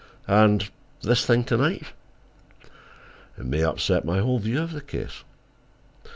"And—this thing to night?" "May upset my whole view of the case.